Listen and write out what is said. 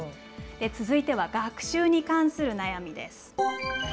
続いては学習に関する悩みです。